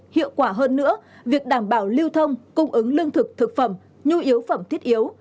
hiệu quả hơn nữa việc đảm bảo lưu thông cung ứng lương thực thực phẩm nhu yếu phẩm thiết yếu